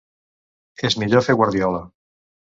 És millor fer guardiola.